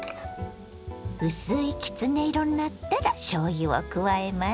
薄いきつね色になったらしょうゆを加えます。